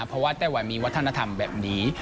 เพราะว่าไต้หวันมีวัฒนธรรมแบบนี้